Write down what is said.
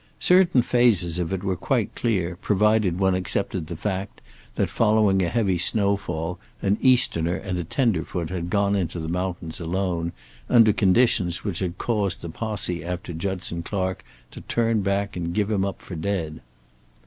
Certain phases of it were quite clear, provided one accepted the fact that, following a heavy snowfall, an Easterner and a tenderfoot had gone into the mountains alone, under conditions which had caused the posse after Judson Clark to turn back and give him up for dead.